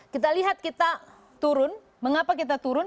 kita lihat kita turun mengapa kita turun